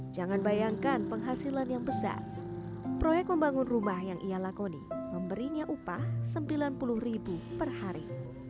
jangan bayangkan penghasilan yang besar proyek membangun rumah yang ia lakoni memberinya upah rp sembilan puluh per hari